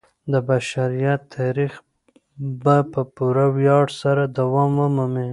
د بشریت تاریخ به په پوره ویاړ سره دوام ومومي.